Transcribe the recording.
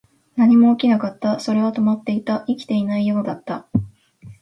何も起きなかった。それは止まっていた。生きていないようだった。